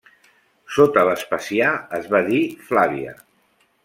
Sota Vespasià es va dir Flàvia.